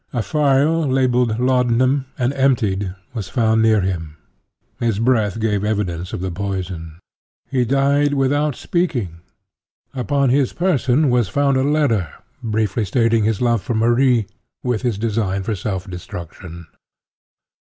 A phial labelled "laudanum," and emptied, was found near him. His breath gave evidence of the poison. He died without speaking. Upon his person was found a letter, briefly stating his love for Marie, with his design of self destruction.